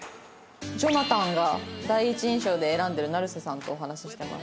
ジョナタンが第一印象で選んでる成瀬さんとお話ししてます。